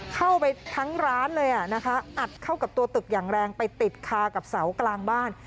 เข้าไปทั้งร้านเลยนะคะอัดเข้ากับตัวตึกอย่างแรงไปติดคากับเสากลางบ้าน